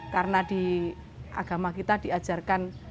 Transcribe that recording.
karena di agama kita diajarkan